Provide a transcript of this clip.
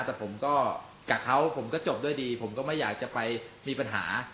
แต่ผมก็กับเขาผมก็จบด้วยดีผมก็ไม่อยากจะไปมีปัญหา